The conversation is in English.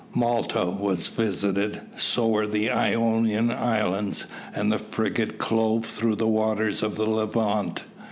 Malta was visited, so were the Ionian Islands, and the frigate clove through the waters of the Levant.